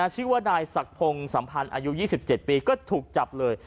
ชื่อว่านายศักดิ์พงศ์สัมพันธ์อายุ๒๗ปีก็ถูกจับเลย